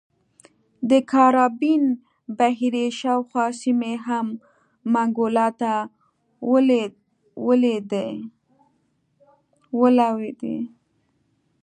د کارابین بحیرې شاوخوا سیمې هم منګولو ته ولوېدې.